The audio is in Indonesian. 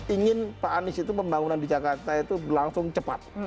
ingin pak anies itu pembangunan di jakarta itu berlangsung cepat